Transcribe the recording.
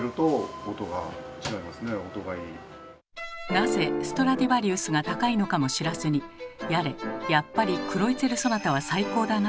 なぜストラディヴァリウスが高いのかも知らずにやれ「やっぱり『クロイツェルソナタ』は最高だな」